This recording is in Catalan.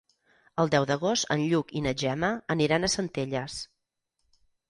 El deu d'agost en Lluc i na Gemma aniran a Centelles.